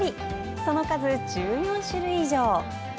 その数、１４種類以上。